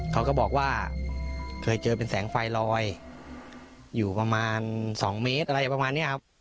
เขาก็บอกว่าเคยเจอเป็นแสงไฟลอยอยู่ประมาณ๒เมตรอะไรประมาณนี้ครับ